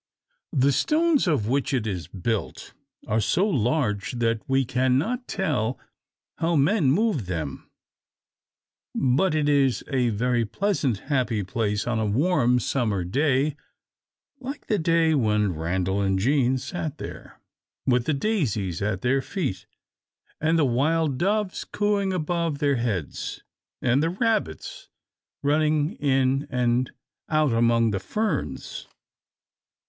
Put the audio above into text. The stones of which it is built are so large that we cannot tell how men moved them. But it is a very pleasant, happy place on a warm summer day, like the day when Randal and Jean sat there, with the daisies at their feet, and the wild doves cooing above their heads, and the rabbits running in and out among the ferns.